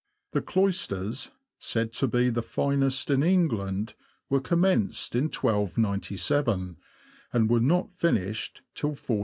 The cloisters, said to be the finest in England, were commenced in 1297, and were not finished till 1430.